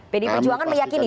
pdi perjuangan meyakinkan